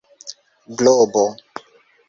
globo